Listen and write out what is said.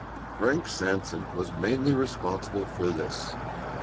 Frank Sanson was mainly responsible for this.